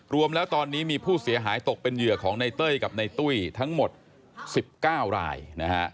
รวมแล้วตอนนี้มีผู้เสียหายตกเป็นเหยื่อของในเต้ยกับในตุ้ยทั้งหมด๑๙รายนะฮะ